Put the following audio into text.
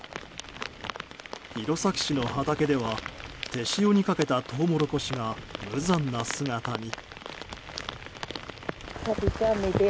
弘前市の畑では手塩にかけたトウモロコシが無残な姿に。